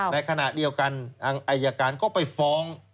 ในขณะเดียวกันทางอายการก็ไปฟ้อง